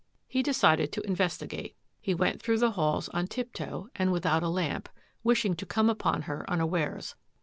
He decided to investigate. He went through the halls on tiptoe and without a lamp, wishing to come upon her unawares.